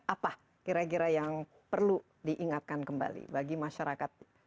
apa kira kira yang perlu diingatkan kembali bagi masyarakat